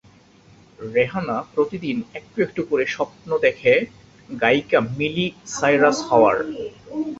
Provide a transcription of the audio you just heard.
রেহানা প্রতিদিন একটু একটু করে স্বপ্ন দেখে গায়িকা মিলি সাইরাস হওয়ার।